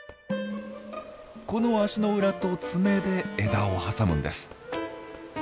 この足の裏と爪で枝を挟むんです。